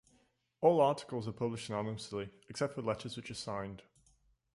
All articles are published anonymously, except for letters which are signed.